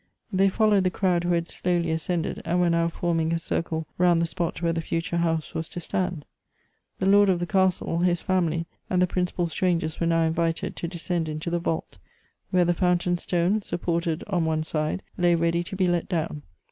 They followed the crowd whrfhad slowly ascended, and were now fonning a circle round the spot where the future house was to stand. The lord of the castle, his family, and the principal strangers were now invited to descend into the vault, where tlie fountain stone, supported on one side, lay ready to be let down.